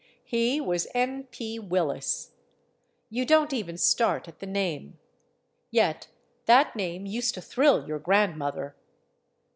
He was N. P. Willis. You don't even start at the name. Yet that name used to thrill your grandmother.